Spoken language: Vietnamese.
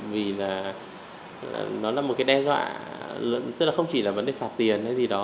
vì là nó là một cái đe dọa tức là không chỉ là vấn đề phạt tiền hay gì đó